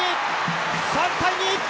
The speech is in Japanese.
３対２！